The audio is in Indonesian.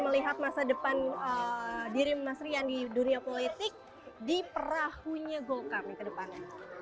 melihat masa depan diri mas rian di dunia politik di perahunya golkar nih ke depannya